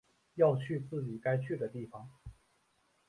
要去自己该去的地方